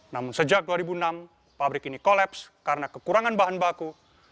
namun sejak dua ribu enam pabrik ini kolaps karena kekurangan bahan baku